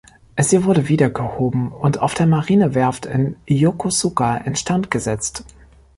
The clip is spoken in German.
Sie wurde wieder gehoben und auf der Marinewerft in Yokosuka in Stand gesetzt.